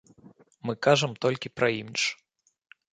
Мы кажам толькі пра імідж.